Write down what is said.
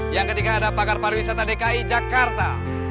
yang ketiga ada pakar pariwisata dki jakarta